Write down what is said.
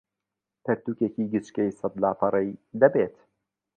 پەرتووکێکی گچکەی سەد لاپەڕەیی دەبێت